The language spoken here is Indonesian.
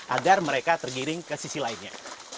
agar mereka tergiring ke sisi lainnya